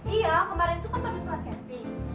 iya kemarin tuh kan pada podcasting